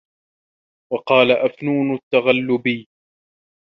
وَقَالَ أُفْنُونُ التَّغْلِبِيُّ